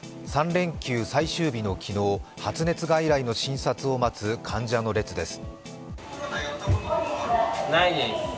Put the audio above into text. ３連休最終日の昨日、発熱外来の診察を待つ患者の行列です。